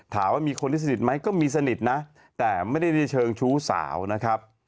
ถามว่ามีคนที่สนิทไหมก็มีสนิทนะแต่ไม่ได้ในเชิงชู้สาวนะครับ